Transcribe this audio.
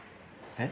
えっ？